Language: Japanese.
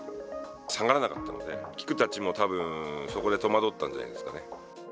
下がらなかったんでね、菊たちもたぶん、そこで戸惑ったんじゃないですかね。